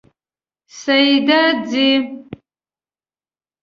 سیده ځئ